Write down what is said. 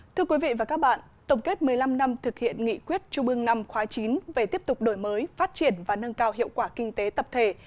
thưa quý vị và các bạn tổng kết một mươi năm năm thực hiện nghị quyết trung ương năm khóa chín về tiếp tục đổi mới phát triển và nâng cao hiệu quả kinh tế tập thể